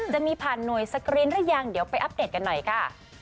จะมีผ่านหน่วยสกรีนหรือยังเดี๋ยวไปอัปเดตกันหน่อยค่ะ